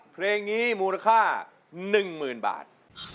เพลงนี้มูลค่า๑๐๐๐บาท